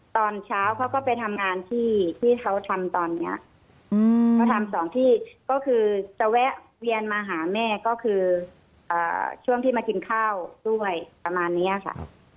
ตอนเช้าเขาก็ไปทำงานที่ที่เขาทำตอนนี้เขาทำสองที่ก็คือจะแวะเวียนมาหาแม่ก็คือช่วงที่มากินข้าวด้วยประมาณนี้ค่ะ